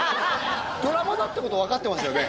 ドラマだってこと分かってますよね？